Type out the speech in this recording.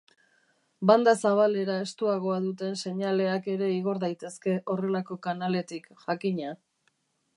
Banda-zabalera estuagoa duten seinaleak ere igor daitezke horrelako kanaletik, jakina.